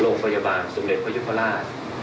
โรงพยาบาลสมเด็จพระยุพราช